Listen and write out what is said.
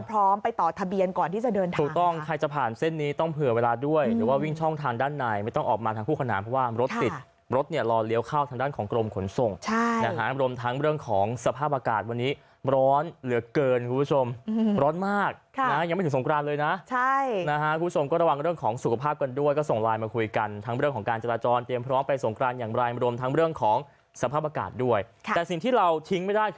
รถติดรถเนี่ยรอเลี้ยวเข้าทางด้านของกรมขนส่งบริมทั้งเรื่องของสภาพอากาศวันนี้ร้อนเหลือเกินคุณผู้ชมร้อนมากยังไม่ถึงสงกรานเลยนะคุณผู้ชมก็ระวังเรื่องของสุขภาพกันด้วยก็ส่งไลน์มาคุยกันทั้งเรื่องของการจราจรเตรียมพร้อมไปสงกรานอย่างบริมทั้งเรื่องของสภาพอากาศด้วยแต่สิ่งที่เราทิ้งไม่